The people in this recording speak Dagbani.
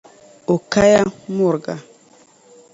O ka ya' muriga.